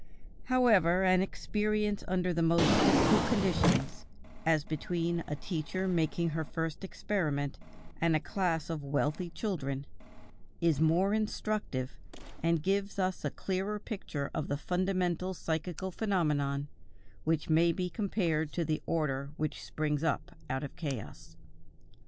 However, an experience under the most difficult conditions, as between a teacher making her first experiment, and a class of wealthy children, is more instructive, and gives us a clearer picture of the fundamental psychical phenomenon, which may be compared to the order which springs up out of chaos.